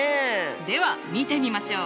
では見てみましょう！